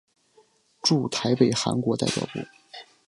驻台北韩国代表部。